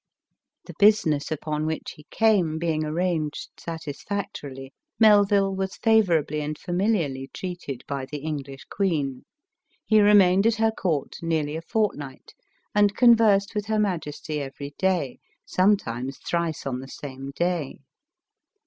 The business upon ELIZABETH OP ENGLAND. which he came being arranged satisfactorily, Melville was favorably and familiarly treated by the English queen. He remained at her court nearly a fortnight, and conversed with her majesty every day, sometimes thrice on the same day.